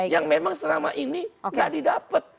yang memang selama ini gak didapet